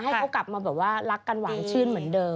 ให้เขากลับมาแบบว่ารักกันหวานชื่นเหมือนเดิม